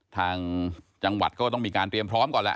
ทางจังหวัดก็ต้องมีการเตรียมพร้อมก่อนแหละ